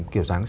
kiểu sáng sáng